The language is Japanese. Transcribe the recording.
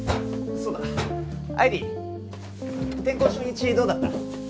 そうだ愛理転校初日どうだった？